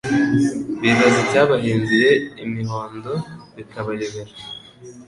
bibaza icyabahinduye imihondo bikabayobera.